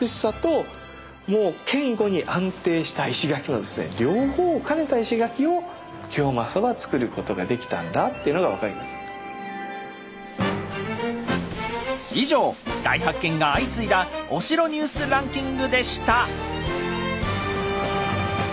実は両方を兼ねた石垣を以上大発見が相次いだお城ニュースランキングでした！